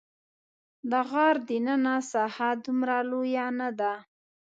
د غار دننه ساحه دومره لویه نه ده.